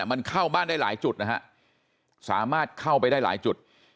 มันเข้าบ้านได้หลายจุดนะฮะสามารถเข้าไปได้หลายจุด